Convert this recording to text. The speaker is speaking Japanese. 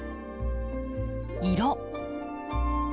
色。